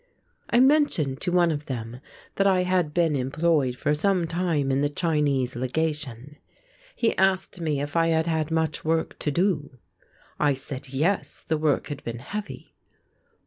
I mentioned to one of them that I had been employed for some time in the Chinese Legation; he asked me if I had had much work to do. I said yes, the work had been heavy.